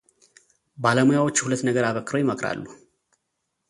ባለሙያዎቹ ሁለት ነገር አበክረው ይመክራሉ።